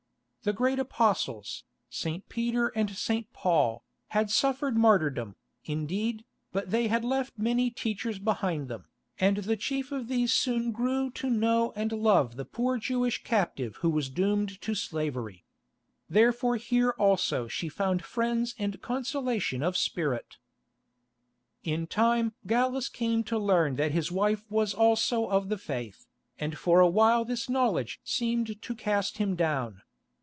The great Apostles, St. Peter and St. Paul, had suffered martyrdom, indeed, but they had left many teachers behind them, and the chief of these soon grew to know and love the poor Jewish captive who was doomed to slavery. Therefore here also she found friends and consolation of spirit. In time Gallus came to learn that his wife was also of the Faith, and for a while this knowledge seemed to cast him down.